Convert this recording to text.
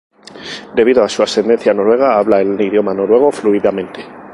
Debido a su ascendencia noruega habla el idioma noruego fluidamente.